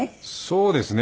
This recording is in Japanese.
そうですね。